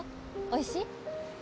おいしい？